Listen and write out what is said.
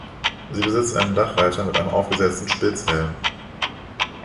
Sie besitzt einen Dachreiter mit einem aufgesetzten Spitzhelm.